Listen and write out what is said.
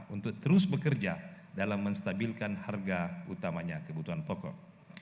untuk terus bekerja dalam menstabilkan harga utamanya kebutuhan pokok